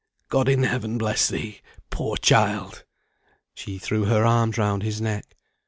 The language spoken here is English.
God in heaven bless thee, poor child!" She threw her arms round his neck.